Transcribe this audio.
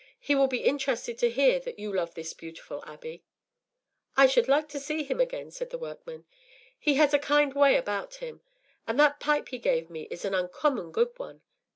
He will be interested to hear that you love this beautiful abbey.” “I should like to see him again,” said the workman. “He had a kind way about him, and that pipe he gave me is an uncommon good one.